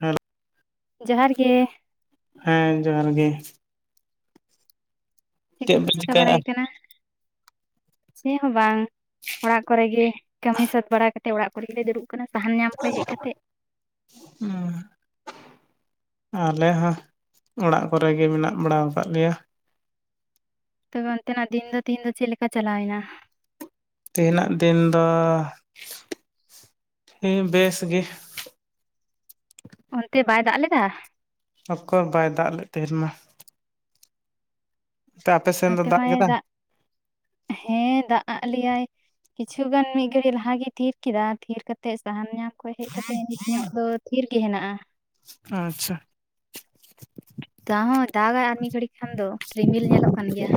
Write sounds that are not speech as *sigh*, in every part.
ᱦᱮᱸᱼᱼ ᱡᱚᱦᱟᱨ ᱜᱮ? ᱦᱮᱸ ᱡᱚᱦᱟᱨ ᱜᱮ ᱪᱮᱫ ᱠᱚᱯᱮ ᱯᱮ ᱪᱤᱠᱟᱹ ᱪᱤᱠᱟᱭᱮᱜᱼᱟ? ᱵᱟᱲᱟᱭᱮᱫ ᱠᱟᱱᱟ? ᱪᱮ ᱦᱚᱸ ᱵᱟᱝ ᱚᱲᱟᱜ ᱠᱚᱨᱮ ᱜᱮ ᱠᱟᱹᱢᱤ ᱥᱟᱹᱛ ᱵᱟᱲᱟ ᱠᱟᱛᱮ ᱚᱲᱟᱜ ᱠᱚᱨᱮᱞᱮ ᱫᱩᱲᱩᱵᱼᱼ ᱠᱟᱱᱟ ᱥᱟᱦᱟᱱ ᱧᱟᱢ ᱠᱷᱚᱡ ᱦᱮᱡ ᱠᱟᱛᱮ᱾ ᱦᱮᱸ ᱟᱞᱮ ᱦᱚᱸ ᱚᱲᱟᱜ ᱠᱚᱨᱮᱜ ᱜᱮ ᱢᱮᱱᱟᱜ ᱵᱟᱲᱟ ᱟᱠᱟᱫ ᱞᱮᱭᱟ᱾ ᱛᱚᱵᱮ ᱚᱱᱛᱮᱱᱟᱜ ᱫᱤᱱ ᱫᱚ ᱛᱤᱦᱤᱧ ᱫᱚ ᱪᱮᱫ ᱞᱮᱠᱟ ᱪᱟᱞᱟ ᱣᱮᱱᱟ? ᱛᱮᱦᱮᱱᱟᱜ ᱫᱤᱱ ᱫᱚ ᱦᱮᱸ ᱵᱮᱥ ᱜᱮ᱾ ᱚᱱᱛᱮ ᱵᱟᱭ ᱫᱟᱜ ᱞᱮᱫᱟ? ᱚᱠᱚᱨ ᱵᱟᱭ ᱫᱟᱜ ᱞᱮᱫ ᱛᱮᱦᱮᱱ ᱢᱟᱼᱼ ᱟᱯᱮ ᱥᱮᱱ ᱫᱚ ᱱᱚᱛᱮ ᱢᱟᱭ ᱠᱮᱫᱟ? ᱫᱟᱜ ᱦᱮᱸ ᱫᱟᱜ ᱟᱫ ᱞᱮᱭᱟᱭ᱾ ᱠᱤᱪᱷᱩ ᱜᱟᱱ ᱢᱤᱫ ᱜᱷᱟᱹᱲᱤᱡ ᱞᱟᱦᱟᱜᱮᱭ ᱛᱷᱤᱨ ᱠᱮᱫᱟ ᱛᱷᱤᱨ ᱠᱟᱛᱮᱫ ᱥᱟᱦᱟᱱ ᱧᱟᱢ ᱠᱷᱚᱱ ᱦᱮᱡ ᱠᱟᱛᱮ ᱫᱚ ᱱᱤᱛ ᱧᱚᱜ ᱫᱚᱼᱼ ᱛᱷᱤᱨ ᱜᱮ ᱦᱮᱱᱟᱜᱼᱟ᱾ ᱟᱪᱪᱷᱟ᱾ ᱫᱟᱜ ᱦᱚᱸ ᱫᱟᱜᱟᱭ ᱟᱨ ᱢᱤᱫ ᱜᱷᱟᱹᱲᱤᱡ ᱠᱷᱟᱱ ᱫᱚ ᱨᱤᱢᱤᱞ ᱧᱮᱞᱚᱜ ᱠᱟᱱ ᱜᱮᱭᱟ᱾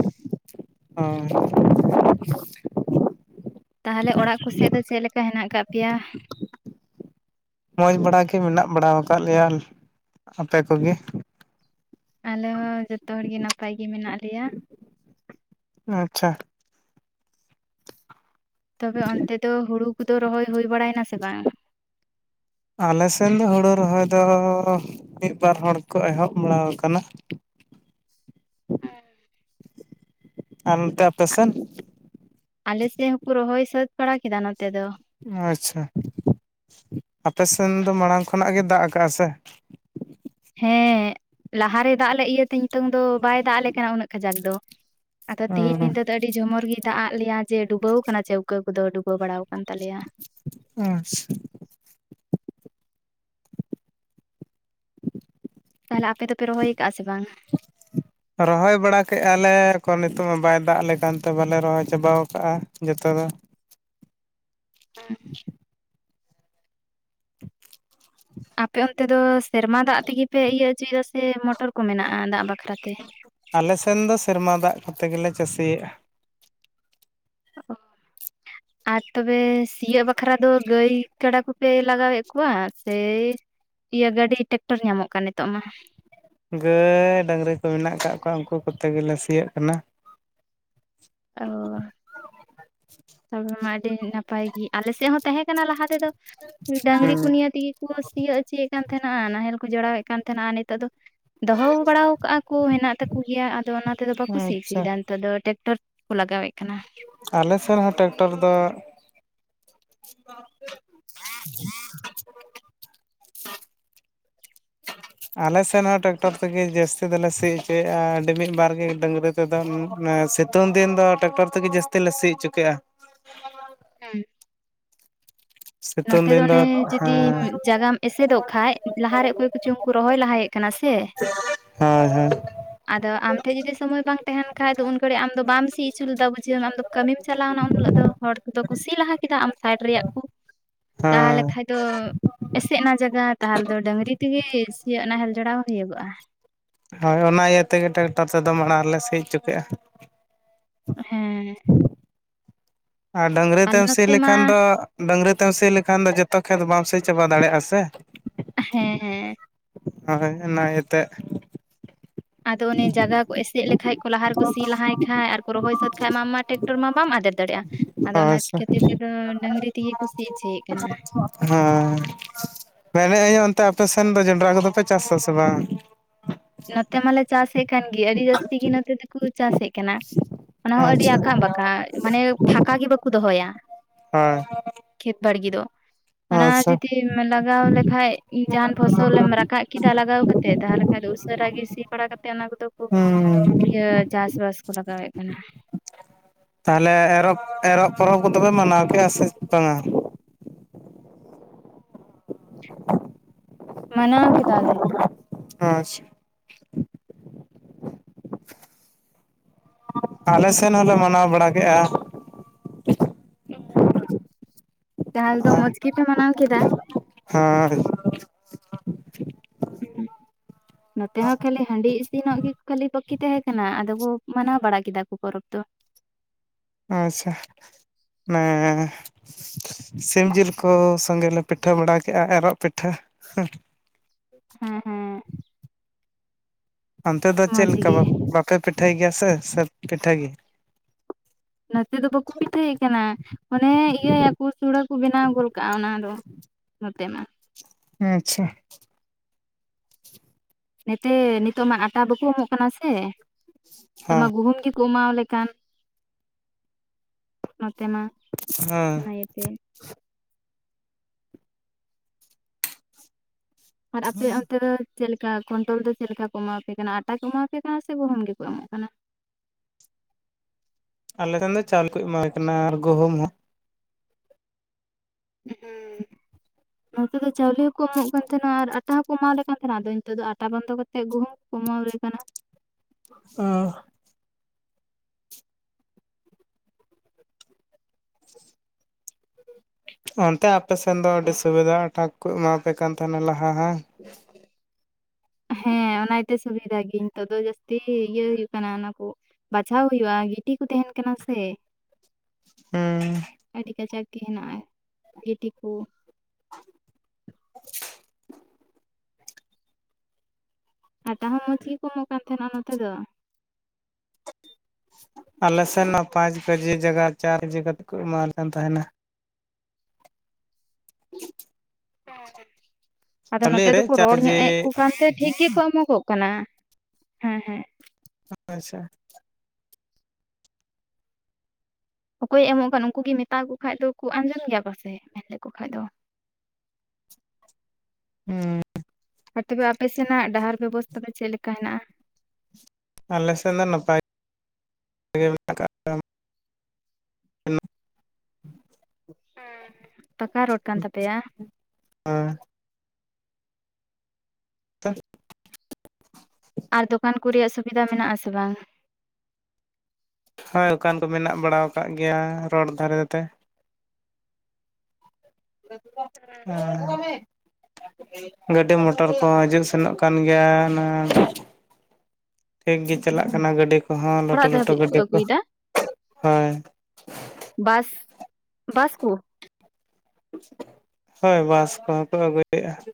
ᱦᱚᱸᱼᱼ ᱛᱟᱦᱚᱞᱮ ᱚᱲᱟᱜ ᱠᱚᱥᱮᱫ ᱫᱚ ᱪᱮᱫ ᱞᱮᱠᱟ ᱦᱮᱱᱟᱜ ᱟᱠᱟᱫ ᱯᱮᱭᱟ? ᱢᱚᱡᱽ ᱵᱟᱲᱟ ᱜᱮ ᱢᱮᱱᱟᱜ ᱵᱟᱲᱟ ᱟᱠᱟᱫ ᱞᱮᱭᱟ ᱟᱯᱮ ᱠᱚᱜᱮ? ᱟᱞᱮ ᱦᱚᱸ ᱡᱚᱛᱚ ᱦᱚᱲ ᱜᱮ ᱱᱟᱯᱟᱭ ᱜᱮ ᱢᱮᱱᱟᱜ ᱞᱮᱭᱟ᱾ ᱟᱪᱪᱷᱟ᱾ ᱛᱚᱵᱮ ᱚᱱᱛᱮ ᱫᱚ ᱦᱩᱲᱩ ᱠᱚᱫᱚ ᱨᱚᱦᱚᱭ ᱦᱩᱭ ᱵᱟᱲᱟᱭᱮᱱᱟ ᱥᱮ ᱵᱟᱝ? ᱟᱞᱮ ᱥᱮᱱᱫ ᱫᱚ ᱦᱩᱲᱩ ᱨᱚᱦᱚᱭ ᱫᱚᱼᱼ ᱢᱤᱫ ᱵᱟᱨ ᱦᱚᱲ ᱠᱚ ᱮᱦᱚᱵ ᱵᱟᱲᱟᱣ ᱟᱠᱟᱱᱟ᱾ ᱦᱮᱸ ᱟᱨ ᱚᱱᱛᱮ ᱟᱯᱮᱥᱮᱱ? ᱟᱞᱮ ᱥᱮᱫ ᱦᱚᱸᱠᱚ ᱨᱚᱦᱚᱭ ᱥᱟᱹᱛ ᱵᱟᱲᱟ ᱠᱮᱫᱟ ᱱᱚᱛᱮ ᱫᱚ᱾ ᱟᱪᱪᱷᱟ᱾ ᱟᱯ ᱥᱮᱱ ᱫᱚ ᱢᱟᱲᱟᱝ ᱠᱷᱚᱱᱟᱜ ᱜᱮ ᱫᱟᱜ ᱟᱠᱟᱜᱼᱟ ᱥᱮ᱾ ᱦᱮᱸ᱾ ᱞᱟᱦᱟᱨᱮ ᱫᱟᱜ ᱞᱮ ᱤᱭᱟᱹᱛᱮ, ᱱᱤᱛᱚᱝ ᱫᱚ ᱵᱟᱭ ᱫᱟᱜ ᱟᱞᱮ ᱠᱟᱱᱟ ᱩᱱᱟᱹᱜ ᱠᱟᱡᱟᱠ ᱫᱚ᱾ ᱟᱫᱚ ᱛᱮᱤᱦᱮᱧ ᱦᱩᱸ ᱧᱤᱫᱟᱹ ᱫᱚ ᱟᱹᱰᱤ ᱡᱷᱚᱢᱚᱨ ᱜᱮᱭ ᱫᱟᱜ ᱟᱫ ᱞᱮᱭᱟ ᱡᱮ ᱰᱩᱵᱟᱹᱣ ᱟᱠᱟᱱᱟ ᱪᱮᱣᱠᱟᱹ ᱠᱚᱫᱚ ᱰᱩᱵᱟᱹᱣ ᱵᱟᱲᱟᱫᱟᱼᱼ ᱠᱟᱱ ᱛᱟᱞᱮᱭᱟ᱾ ᱟᱪᱪᱷᱟ᱾ ᱛᱟᱦᱚᱞᱮ ᱟᱯᱮ ᱫᱚᱯᱮ ᱨᱚᱦᱚᱭ ᱟᱠᱟᱫᱼᱟ ᱥᱮ ᱵᱟᱝ? ᱨᱚᱦᱚᱭ ᱵᱟᱲᱟ ᱠᱮᱫᱼᱟ ᱞᱮ ᱮᱠᱷᱚᱱ ᱱᱤᱛᱳ ᱢᱟ ᱵᱟᱭ ᱫᱟᱜ ᱟᱞᱮᱠᱟᱱᱛᱮ ᱵᱟᱞᱮ ᱨᱚᱦᱚᱭ ᱪᱟᱵᱟᱣ ᱠᱟᱜᱼᱟ ᱡᱚᱛᱚ ᱫᱚ᱾ *inaudible* *inaudible* ᱟᱯᱮ ᱚᱱᱛᱮ ᱫᱚ ᱥᱮᱨᱢᱟ ᱫᱟᱜ ᱛᱮᱜᱮ ᱯᱮ ᱤᱭᱟᱹ ᱦᱚᱪᱚᱭᱮᱫᱟ ᱥᱮ, ᱢᱚᱴᱚᱨ ᱠᱚ ᱢᱮᱱᱟᱜᱼᱟ ᱫᱟᱜ ᱵᱟᱠᱷᱨᱟ ᱛᱮ? ᱟᱞᱮ ᱥᱮᱱ ᱫᱚ ᱥᱮᱨᱢᱟ ᱫᱟᱜ ᱠᱚᱛᱮ ᱜᱮᱞᱮ ᱪᱟᱹᱥᱤᱭᱟᱜᱼᱟ᱾ *inaudible* ᱟᱨ ᱛᱚᱵᱮ ᱥᱤᱭᱳᱜ ᱵᱟᱠᱷᱨᱟ ᱫᱚ ᱜᱟᱹᱭ ᱠᱟᱰᱟ ᱠᱚᱯᱮ ᱞᱟᱜᱟᱣᱮᱫ ᱠᱚᱣᱟ? ᱥᱮ ᱤᱭᱟᱹ ᱜᱟᱹᱰᱤ ᱴᱨᱟᱠᱴᱚᱨ ᱧᱟᱢᱚᱜ ᱠᱟᱱ ᱱᱤᱛᱚᱜ ᱢᱟ᱾ ᱜᱟᱹᱭ ᱰᱟᱝᱨᱤ ᱠᱚ ᱢᱮᱱᱟᱜ ᱠᱟᱜ ᱠᱚᱣᱟ ᱩᱱᱠᱩ ᱠᱚᱛᱮ ᱜᱮᱞᱮ ᱥᱤᱭᱟᱹᱜ ᱠᱟᱱᱟ᱾ ᱚ᱾ ᱛᱚᱵᱮ ᱢᱟ ᱟᱹᱰᱤ ᱱᱟᱯᱟᱭ ᱜᱮ᱾ ᱟᱞᱮ ᱥᱮᱫ ᱦᱚᱸ ᱛᱟᱦᱮᱸ ᱠᱟᱱᱟ ᱞᱟᱦᱟ ᱛᱮᱫᱚ ᱰᱟᱹᱝᱨᱤ ᱦᱩᱸ ᱠᱚ ᱱᱤᱭᱮ ᱛᱮᱜᱤ ᱠᱚ ᱥᱤᱭᱳ ᱦᱚᱪᱚᱭᱮᱫ ᱛᱟᱦᱮᱱᱟ᱾ ᱱᱟᱦᱮᱞ ᱠᱚ ᱡᱚᱲᱟᱣᱮᱫ ᱠᱟᱱ ᱛᱟᱦᱮᱱᱟ ᱟᱨ ᱱᱤᱛᱚᱜ ᱫᱚ ᱫᱚᱦᱚ ᱵᱟᱲᱟ ᱠᱟᱜᱼᱟ ᱠᱚ ᱦᱮᱸᱱᱟᱜ ᱛᱟᱠᱚ ᱜᱮᱭᱟ ᱟᱫᱚ ᱚᱱᱟ ᱛᱮᱫᱚ ᱵᱟᱠᱚ ᱥᱤ ᱦᱚᱪᱚ ᱟᱪᱪᱷᱟ ᱮᱫᱟ ᱱᱮᱛᱟᱨ ᱫᱚ ᱴᱮᱠᱴᱚᱨ ᱠᱚ ᱞᱟᱜᱟᱣᱮᱫ ᱠᱟᱱᱟ᱾ ᱟᱞᱮ ᱥᱮᱫ ᱦᱚᱸ ᱴᱮᱠᱴᱚᱨ ᱫᱚ *unintelligible* ᱦᱮ ᱦ *unintelligible* ᱟᱪᱪᱷᱟ *inaudible* ᱟᱞᱮ ᱥᱮᱫ ᱦᱚᱸ ᱴᱨᱟᱠᱴᱚᱨ ᱛᱮᱜᱮ ᱡᱟᱹᱥᱛᱤ ᱫᱚᱞᱮ ᱥᱤ ᱦᱚᱪᱚᱭᱮᱼᱟ᱾ ᱟᱹᱰᱤ ᱢᱤᱫ ᱵᱟᱨ ᱜᱮ ᱰᱟᱹᱝᱨᱤ ᱛᱮᱫᱚ, ᱚᱱᱮ ᱥᱤᱛᱩᱝ ᱫᱤᱱ ᱫᱚ ᱴᱨᱟᱠᱴᱚᱨ ᱛᱮᱜᱮ ᱡᱟᱹᱥᱛᱤ ᱞᱮ ᱥᱤ ᱚᱪᱚ ᱠᱮᱜᱼᱟ᱾ ᱦᱩᱸ᱾ ᱥᱤᱛᱩᱝ ᱱᱚᱛᱮ ᱫᱤᱱ ᱫᱚ ᱚᱱᱮ ᱡᱩᱫᱤ ᱦᱮᱸ ᱡᱟᱭᱜᱟᱭ ᱮᱥᱮᱫᱚᱜ ᱠᱷᱟᱠ ᱞᱟᱦᱟᱨᱮ ᱚᱠᱚᱭ ᱠᱚᱪᱚᱝ ᱩᱱᱠᱩ ᱨᱚᱦᱚᱭ ᱞᱟᱦᱟᱭᱮᱜ ᱠᱟᱱᱟ ᱥᱮ, ᱦᱮᱸ ᱦᱮᱸ᱾ ᱟᱫᱚ ᱟᱢ ᱴᱷᱮᱡ ᱡᱩᱫᱤ ᱥᱚᱢᱚᱭ ᱵᱟᱝ ᱛᱟᱦᱮᱸᱱ ᱠᱷᱟᱱ ᱫᱚ ᱩᱱᱠᱩᱷᱤᱡ ᱟᱢᱫᱚ ᱵᱟᱢ ᱥᱤ ᱚᱪᱚ ᱞᱮᱫᱟ ᱵᱩᱡᱷᱟᱹᱣ ᱟᱢ ᱫᱚ ᱠᱟᱹᱢᱤᱢ ᱪᱟᱞᱟᱣ ᱱᱟ, ᱩᱱ ᱦᱤᱞᱳ ᱫᱚ ᱦᱚᱲ ᱠᱚ ᱠᱩ ᱥᱤ ᱞᱟᱦᱟ ᱠᱮᱫᱟ ᱟᱢ ᱥᱟᱭᱤᱰ ᱨᱮᱭᱟᱜ ᱠᱩ ᱛᱟᱦᱚᱞᱮ ᱦᱮᱸ ᱠᱷᱟᱡ ᱫᱚ ᱮᱥᱮᱜ ᱱᱟ ᱡᱟᱜᱟ ᱛᱟᱦᱚᱞᱮ ᱫᱚ ᱰᱟᱝᱨᱤ ᱛᱮᱜᱮ ᱥᱤᱭᱚᱜ ᱱᱟᱦᱮᱞ ᱡᱚᱲᱟᱣ ᱦᱩᱭᱩᱜᱚᱜᱼᱟ᱾ ᱦᱳᱭ ᱚᱱᱟ ᱤᱭᱟᱹ ᱛᱮᱜᱮ ᱴᱨᱟᱠᱴᱚᱨ ᱛᱮᱫᱚ ᱢᱟᱲᱟᱝ ᱨᱮᱞᱮ ᱥᱤ ᱦᱚᱪᱚ ᱠᱮᱜᱼᱟ᱾ ᱦᱮᱸ᱾ ᱟᱨ ᱰᱟᱹᱝᱨᱤ ᱟᱞᱮ ᱛᱮᱢ ᱥᱤ ᱱᱚᱛᱮ ᱢᱟ ᱞᱮᱠᱷᱟᱱ ᱫᱚ ᱰᱟᱹᱝᱨᱤ ᱛᱮᱢ ᱥᱤ ᱞᱮᱠᱷᱟᱱ ᱫᱚ ᱡᱚᱛᱚ ᱠᱷᱮᱛ ᱵᱟᱢ ᱥᱤ ᱪᱟᱵᱟ ᱫᱟᱲᱮᱭᱟᱜᱼᱟ ᱥᱮ᱾ ᱦᱮᱸ ᱦᱮᱸ᱾ ᱦᱳᱭ ᱚᱱᱟ ᱤᱭᱟᱹᱛᱮ ᱟᱫᱚ ᱚᱱᱮ ᱡᱟᱜᱟ ᱠᱚ ᱮᱥᱮᱫ ᱞᱮᱠᱟᱡ ᱠᱚ ᱞᱟᱦᱟ ᱨᱮᱠᱚ ᱥᱤ ᱞᱟᱦᱟᱭ ᱠᱷᱟᱡ ᱟᱨ ᱠᱚ ᱨᱚᱦᱚᱭ ᱥᱟᱹᱛ ᱠᱷᱟᱡ ᱢᱟ ᱟᱢ ᱢᱟ ᱴᱨᱮᱠᱴᱚᱨ ᱢᱟ ᱵᱟᱢ ᱟᱫᱮᱨ ᱫᱟᱲᱮᱭᱟᱜᱼᱟ᱾ ᱟᱫᱚ ᱚᱱᱟ ᱦᱳᱭ ᱥᱮ ᱠᱷᱟᱹᱛᱤᱨ ᱛᱮᱫᱚ ᱰᱟᱹᱝᱨᱤ ᱛᱮᱜᱮ ᱠᱩ ᱥᱤ ᱚᱪᱚᱭᱮᱫ ᱠᱟᱱᱟ᱾ ᱦᱚᱸ, ᱢᱮᱱᱮᱫ ᱟᱹᱧ ᱚᱱᱛᱮ ᱟᱯᱮ ᱥᱮᱱ ᱫᱚ ᱡᱚᱱᱰᱨᱟ ᱠᱚᱫᱚ ᱯᱮ ᱪᱟᱥᱟ ᱥᱮ ᱵᱟᱝ? ᱱᱚᱛᱮ ᱢᱟᱞᱮ ᱪᱟᱥ ᱮᱫ ᱠᱟᱱ ᱜᱮ, ᱟᱹᱰᱤ ᱡᱟᱹᱥᱛᱤ ᱜᱮ ᱱᱚᱛᱮ ᱫᱚ ᱩᱝᱠᱩ ᱠᱚ ᱪᱟᱥᱮᱜ ᱠᱟᱱᱟ, ᱚᱱᱟ ᱦᱚᱸ ᱟᱹᱰᱤ ᱟᱪᱪᱷᱟ ᱟᱸᱠᱟ ᱵᱟᱠᱟ ᱢᱟᱱᱮ ᱯᱷᱟᱸᱠᱟ ᱜᱮ ᱵᱟᱠᱚ ᱫᱚᱦᱚᱭᱟ᱾ ᱦᱮᱸ᱾ ᱠᱷᱮᱛ ᱵᱟᱲᱜᱮ ᱫᱚ᱾ ᱚᱱᱟ ᱟᱪᱪᱷᱟ ᱡᱩᱫᱤᱢ ᱞᱟᱜᱟᱣ ᱞᱮᱠᱷᱟᱡ ᱡᱟᱦᱟᱸᱱ ᱯᱷᱚᱥᱚᱞᱮ ᱮᱢ ᱨᱟᱠᱟᱵ ᱠᱮᱫᱟ ᱞᱟᱜᱟᱣ ᱠᱟᱛᱮᱜ ᱛᱟᱦᱚᱞᱮ ᱠᱷᱟᱱ ᱫᱚ ᱩ ᱥᱟᱨᱟᱜᱤ ᱥᱤ ᱵᱟᱲᱟ ᱠᱟᱛᱮᱫ ᱚᱱᱟ ᱠᱚᱫᱚ ᱠᱚ ᱦᱩᱸ ᱤᱭᱟᱹ ᱪᱟᱥ ᱵᱟᱥ ᱠᱚ ᱞᱟᱜᱟᱣᱮᱫ ᱠᱟᱱᱟ᱾ ᱛᱟᱦᱚᱞᱮ ᱮᱨᱚᱜ ᱮᱨᱚᱜ ᱯᱚᱨᱚᱵ ᱠᱚᱫᱚ ᱯᱮ ᱢᱟᱱᱟᱣ ᱠᱮᱜᱼᱟ ᱥᱮ ᱵᱟᱝᱟ? ᱢᱟᱱᱟᱣ ᱠᱮᱫᱟ ᱞᱮ᱾ ᱟᱪᱪᱷᱟ᱾ ᱟᱞᱮ ᱥᱮᱱ ᱦᱚᱸᱞᱮ ᱢᱟᱱᱟᱣ ᱵᱟᱲᱟ ᱠᱮᱜᱼᱟ᱾ ᱛᱟᱦᱟᱞ ᱫᱚ ᱢᱚᱸᱡ ᱜᱮᱯᱮ ᱢᱟᱱᱟᱣ ᱠᱮᱫᱟ? ᱦᱮᱸ ᱩᱸ ᱱᱚᱛᱮ ᱦᱚᱸ ᱠᱷᱟᱞᱤ ᱦᱟᱹᱰᱤ ᱤᱥᱤᱱᱚᱜ ᱜᱮ ᱠᱷᱟᱹᱞᱤ ᱵᱟᱠᱤ ᱛᱟᱦᱮᱸ ᱠᱟᱱᱟ ᱟᱫᱚ ᱠᱚ ᱢᱟᱱᱟᱣ ᱵᱟᱲᱟ ᱠᱮᱫᱟ ᱠᱚ ᱯᱚᱨᱚᱵ ᱫᱚ᱾ ᱟᱪᱪᱷᱟ, ᱢᱟᱱᱮ ᱥᱤᱢ ᱡᱤᱞ ᱠᱚ ᱥᱚᱸᱜᱮ ᱞᱮ ᱯᱤᱴᱷᱟᱹ ᱵᱟᱲᱟ ᱠᱮᱜᱼᱟ ᱮᱸᱨᱚᱜ ᱯᱤᱴᱷᱟᱹ ᱾ ᱦᱩᱸ! ᱦᱮᱸ ᱦᱮᱸ ᱾ ᱚᱱᱛᱮ ᱫᱚ ᱪᱮᱫ ᱢᱚᱸᱡᱽ ᱞᱮᱠᱟ ᱜᱮ ᱵᱟᱯ-ᱵᱟᱯᱮ ᱯᱤᱴᱷᱟᱹᱭ ᱜᱮᱭᱟ ᱥᱮ ᱥᱮ ᱯᱤᱴᱷᱟᱹ ᱜᱮᱭᱟ? ᱱᱚᱛᱮ ᱫᱚ ᱵᱟᱠᱚ ᱯᱤᱴᱷᱟᱹᱭᱮᱜ ᱠᱟᱱᱟ, ᱚᱱᱮ ᱤᱭᱟᱹ ᱭᱟᱠᱚ ᱥᱩᱲᱟᱹ ᱠᱚ ᱵᱮᱱᱟᱣ ᱜᱚᱞ ᱠᱟᱜᱼᱟ ᱚᱱᱟ ᱫᱚ ᱾ ᱱᱚᱛᱮ ᱢᱟ ᱾ ᱟᱪᱪᱷᱟ ᱾ ᱱᱮᱛᱮ ᱱᱤᱛᱚᱜ ᱢᱟ ᱟᱸᱴᱟ ᱵᱟᱠᱚ ᱮᱢᱚᱜ ᱠᱟᱱᱟ ᱥᱮ, ᱱᱤᱛᱚᱜ ᱢᱟ ᱦᱮᱸ ᱜᱩᱦᱩᱢ ᱜᱮ ᱠᱚ ᱮᱢᱟᱞᱮᱣ ᱠᱟᱱ ᱱᱚᱛᱮ ᱢᱟ ᱾ ᱦᱮᱸ ᱾ *unintelligible* ᱟᱨ ᱟᱯᱮ ᱚᱱᱛᱮ ᱫᱚ ᱪᱮᱫ ᱞᱮᱠᱟ ᱠᱚᱱᱴᱚᱞ ᱫᱚ ᱪᱮᱫ ᱞᱮᱠᱟ ᱠᱚ ᱮᱢᱟᱣ ᱟᱯᱮ ᱠᱟᱱᱟ, ᱟᱸᱴᱟ ᱠᱚ ᱮᱢᱟ ᱯᱮ ᱠᱟᱱᱟ ᱥᱮ ᱜᱩᱦᱩᱢ ᱜᱮᱠᱚ ᱮᱢᱚᱜ ᱠᱟᱱᱟ? ᱟᱞᱮ ᱥᱮᱱ ᱫᱚ ᱪᱟᱣᱞᱮ ᱠᱚ ᱮᱢᱟᱞᱮ ᱠᱟᱱᱟ ᱟᱨ ᱜᱩᱦᱩᱢ ᱦᱚᱸ ᱾ ᱦᱩᱸ ᱾ ᱱᱚᱛᱮ ᱫᱚ ᱪᱟᱣᱞᱮ ᱦᱚᱸᱠᱚ ᱮᱢᱚᱜ ᱠᱟᱱ ᱛᱟᱦᱮᱸ ᱱᱟ ᱟᱨ ᱟᱸᱴᱟ ᱦᱚᱸᱠᱚ ᱮᱢᱟ ᱞᱮ ᱠᱟᱱ ᱛᱟᱦᱮᱸᱱᱟ, ᱟᱫᱚ ᱱᱤᱛᱚᱜ ᱫᱚ ᱟᱸᱴᱟ ᱵᱚᱱᱫᱚ ᱠᱟᱛᱮᱫ ᱜᱩᱦᱩᱢ ᱠᱚ ᱮᱢᱟᱣ ᱟᱞᱮ ᱠᱟᱱᱟ ᱾ ᱚ ᱾ ᱚᱱᱛᱮ ᱟᱯᱮ ᱥᱮᱱ ᱫᱚ ᱟᱹᱰᱤ ᱥᱩᱵᱤᱫᱷᱟ ᱟᱸᱴᱟ ᱠᱚ ᱮᱢᱟ ᱟᱯᱮ ᱠᱟᱱ ᱛᱟᱦᱮᱱᱟ ᱞᱟᱦᱟ ᱦᱟᱝ? *inaudible* ᱦᱮᱸ ᱚᱱᱟ ᱜᱮᱛᱚ ᱥᱩᱵᱤᱫᱷᱟ ᱜᱮ ᱱᱤᱛᱚᱜ ᱫᱚ ᱡᱟᱹᱥᱛᱤ ᱤᱭᱟᱹ ᱦᱩᱭᱩᱜ ᱠᱟᱱᱟ ᱚᱱᱟ ᱠᱚ ᱵᱟᱪᱷᱟᱣ ᱦᱩᱭᱩᱜᱼᱟ ᱜᱤᱴᱤ ᱠᱚ ᱛᱟᱦᱮᱱ ᱠᱟᱱᱟ ᱥᱮ ᱾ ᱦᱩᱸ ᱟᱹᱰᱤ ᱠᱟᱡᱟᱠ ᱜᱮ ᱦᱮᱱᱟᱜᱼᱟ ᱜᱤᱴᱤ ᱠᱚ ᱾ *inaudible* ᱟᱸᱴᱟ ᱦᱚᱸ ᱢᱚᱡᱽ ᱜᱮ ᱠᱚ ᱮᱢᱚᱜ ᱠᱟᱱ ᱛᱟᱦᱮᱱᱟ ᱱᱚᱛᱮ ᱫᱚ ᱾ ᱟᱞᱮ ᱥᱮᱱ ᱢᱟ ᱯᱟᱸᱪ ᱠᱮᱡᱤ ᱡᱟᱜᱟ ᱪᱟᱨ ᱠᱮᱡᱤ ᱠᱟᱛᱮᱫ ᱠᱚ ᱮᱢᱟᱣ ᱟᱞᱮ ᱠᱟᱱ ᱛᱟᱦᱮᱱᱟ ᱾ ᱟᱫᱚ ᱪᱟᱣᱞᱮ ᱱᱚᱛᱮ ᱫᱚ ᱨᱮ ᱠᱚ ᱪᱟᱨ ᱨᱚᱲ ᱧᱚᱜᱼᱮᱜ ᱠᱮᱡᱤ ᱠᱚ ᱠᱟᱱ ᱛᱮ ᱴᱷᱤᱠ ᱜᱮ ᱠᱚ ᱮᱢᱚ ᱜᱚᱜ ᱠᱟᱱᱟ, ᱦᱮᱸ ᱦᱮᱸ ᱾ ᱟᱪᱪᱷᱟ ᱾ ᱚᱠᱚᱭ ᱮ ᱮᱢᱚᱜ ᱠᱟᱱ ᱩᱱᱠᱩ ᱜᱮ ᱢᱮᱛᱟ ᱠᱚ ᱠᱷᱟᱡ ᱫᱚᱠᱚ ᱟᱸᱡᱚᱢ ᱜᱮᱭᱟ ᱯᱟᱥᱮᱡ ᱢᱮᱱ ᱞᱮ ᱠᱚ ᱠᱷᱟᱡ ᱫᱚ ᱾ ᱦᱩᱸ ᱾ ᱟᱨ ᱛᱚᱵᱮ ᱟᱯᱮ ᱥᱮᱱᱟᱜ ᱰᱟᱦᱟᱨ ᱵᱮᱵᱚᱥᱛᱷᱟ ᱫᱚ ᱪᱮᱫ ᱞᱮᱠᱟ ᱦᱮᱱᱟᱜᱼᱟ? ᱟᱞᱮ ᱥᱮᱱ ᱫᱚ ᱱᱟᱯᱟᱭ ᱛᱮᱜᱮ ᱢᱮᱱᱟᱜ ᱟᱠᱟᱜᱼᱟ ᱾ *inaudible* ᱦᱩᱸ, ᱯᱟᱠᱟ ᱨᱳᱰ ᱠᱟᱱ ᱛᱟᱯᱮᱭᱟ? ᱦᱮᱸ ᱾ *unintelligible* ᱟᱨ ᱫᱚᱠᱟᱱ ᱠᱩ ᱨᱮᱭᱟᱜ ᱥᱩᱵᱤᱫᱟ ᱢᱮᱱᱟᱜᱼᱟ ᱥᱮ ᱵᱟᱝ? ᱦᱳᱭ ᱫᱚᱠᱟᱱ ᱠᱚ ᱢᱮᱱᱟᱜ ᱵᱟᱲᱟ ᱟᱠᱟᱜ ᱜᱮᱭᱟ ᱨᱳᱰ ᱫᱷᱟᱨᱮ ᱛᱮ ᱾ *inaudible* ᱦᱮᱸ ᱾ ᱜᱟᱹᱰᱤ ᱢᱚᱴᱚᱨ ᱠᱚᱦᱚᱸ ᱦᱤᱡᱩᱜ ᱥᱮᱱᱚᱜ ᱠᱟᱱ ᱜᱮᱭᱟ, ᱚᱱᱟ ᱴᱷᱤᱠ ᱜᱮ ᱪᱟᱞᱟᱜ ᱠᱟᱱᱟ ᱜᱟᱹᱰᱤ ᱠᱚᱦᱚᱸ ᱞᱟᱸᱴᱷᱩ ᱚᱲᱟᱜ ᱞᱟᱸᱴᱷᱩ ᱫᱷᱟᱹᱵᱤᱡ ᱜᱟᱹᱰᱤ ᱠᱚ, ᱟᱹᱜᱩᱭᱮᱫᱟ ᱦᱳᱭ ᱾ ᱵᱟᱥ ᱵᱟᱥ ᱠᱚ? ᱦᱚᱭ, ᱵᱟᱥ ᱠᱚᱦᱚᱸ ᱠᱚ ᱟᱹᱜᱩᱭᱮᱜᱼᱟ ᱾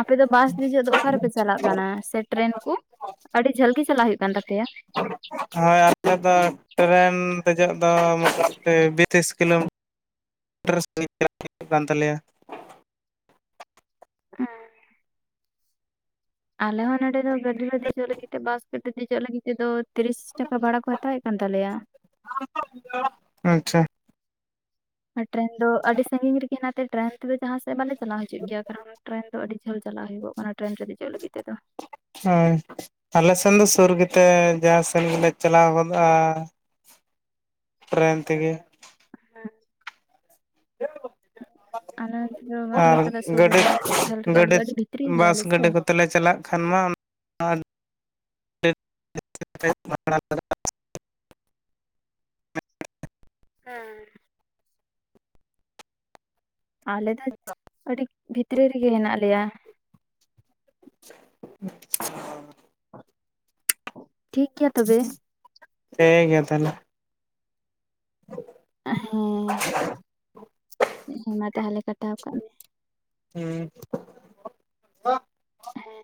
ᱟᱯᱮ ᱫᱚ ᱵᱟᱥ ᱫᱮᱡᱚᱜ ᱫᱚ ᱚᱠᱟ ᱨᱮᱯᱮ ᱪᱟᱞᱟᱜ ᱠᱟᱱᱟ ᱥᱮ ᱴᱨᱮᱱ ᱠᱚ? ᱟᱹᱰᱤ ᱡᱷᱟᱹᱞ ᱜᱮ ᱪᱟᱞᱟᱜ ᱦᱩᱭᱩᱜ ᱠᱟᱱ ᱛᱟᱯᱮᱭᱟ? ᱦᱳᱭ ᱟᱞᱮ ᱫᱚ ᱴᱨᱮᱱ ᱫᱮᱡᱚᱜ ᱫᱚ ᱢᱚᱴᱟᱢᱩᱴᱤ ᱵᱤᱥ ᱛᱤᱥ ᱠᱤᱞᱳᱢᱤᱴᱟᱨ ᱥᱟᱸᱜᱤᱧ ᱪᱟᱞᱟᱜ ᱦᱩᱭᱩᱜ ᱠᱟᱱ ᱛᱟᱞᱮᱭᱟ *unintelligible* ᱦᱮᱸ ᱟᱞᱮ ᱦᱚᱸ ᱱᱚᱰᱮ ᱫᱚ ᱜᱟᱹᱰᱤ ᱨᱮ ᱫᱮᱡᱚᱜ ᱞᱟᱹᱜᱤᱫ ᱛᱮ ᱵᱟᱥ ᱛᱮ ᱫᱮᱡᱚᱜ ᱞᱟᱹᱜᱤᱫ ᱛᱮᱫᱚ ᱛᱤᱨᱤᱥ ᱴᱟᱠᱟ ᱵᱷᱟᱲᱟ ᱠᱚ ᱦᱟᱛᱟᱣᱮᱫ ᱠᱟᱱ ᱛᱟᱞᱮᱭᱟ ᱾ *unintelligible* ᱟᱪᱪᱷᱟ ᱟᱨ ᱴᱮᱨᱮᱱ ᱫᱚ ᱟᱹᱰᱤ ᱥᱟᱺᱜᱤᱧ ᱨᱮᱜᱮ ᱦᱮᱱᱟ ᱛᱮ ᱴᱮᱨᱮᱱ ᱛᱮᱫ ᱡᱟᱦᱟᱸ ᱥᱮᱫ ᱵᱟᱞᱮ ᱪᱟᱞᱟᱜᱣ ᱦᱤᱡᱩᱜ ᱜᱮᱭᱟ ᱾ ᱴᱮᱨᱮᱱ ᱫᱚ ᱟᱹᱰᱤ ᱡᱷᱟᱹᱞ ᱪᱟᱞᱟᱜ ᱦᱩᱭᱩᱜᱚᱜ ᱠᱟᱱᱟ ᱴᱮᱨᱮᱱ ᱨᱮ ᱫᱮᱡᱚᱜ ᱞᱟᱹᱜᱤᱫ ᱛᱮᱫᱚ ᱾ ᱦᱳᱭ ᱟᱞᱮ ᱥᱮᱱ ᱫᱚ ᱥᱩᱨ ᱜᱮᱛᱮ ᱡᱟᱦᱟᱸ ᱥᱮᱱ ᱜᱮᱞᱮ ᱪᱟᱞᱟᱣ ᱜᱚᱫᱚᱜᱼᱟ ᱾ ᱴᱮᱨᱮᱱ ᱛᱮᱜᱮ, ᱦᱮᱸ ᱱᱚᱛᱮ ᱫᱚ *unintelligible* ᱵᱟᱹᱱᱩᱜ ᱟᱨ ᱟᱠᱟᱫᱟ ᱥᱩᱨ ᱜᱟᱹᱰᱤ ᱨᱮᱫᱚ ᱡᱷᱟᱹᱞ ᱨᱮᱜᱮ ᱟᱞᱮ ᱫᱚ ᱟᱹᱰᱤ ᱵᱷᱤᱛᱨᱤ ᱵᱟᱥ ᱜᱮᱭᱟᱞᱮ ᱥᱮ ᱜᱟᱹᱰᱤ ᱠᱚᱛᱮ ᱛᱮᱞᱮ ᱪᱟᱞᱟᱜ ᱠᱷᱟᱱ ᱢᱟ ᱟᱹᱰᱤ *unintelligible* ᱦᱮᱸ ᱟᱞᱮ ᱫᱚ ᱟᱹᱰᱤ ᱵᱷᱤᱛᱨᱤ ᱨᱮᱜᱮ ᱦᱮᱱᱟᱜ ᱞᱮᱭᱟ ᱾ *unintelligible* ᱴᱷᱤᱠ ᱜᱮᱭᱟ ᱛᱚᱵᱮ ᱾ ᱴᱷᱤᱠ ᱜᱮᱭᱟ ᱛᱟᱦᱚᱞᱮ ᱾ ᱦᱮᱸ ᱦᱮᱸ ᱢᱟ ᱛᱟᱦᱚᱞᱮ ᱠᱟᱴᱟᱣ ᱠᱟᱜ ᱢᱮ ᱾ *unintelligible* ᱦᱮᱸ